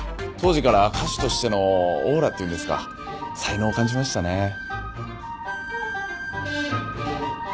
当時から歌手としてのオーラっていうんですか才能を感じましたね。